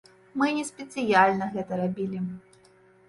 Мы не спецыяльна гэта рабілі.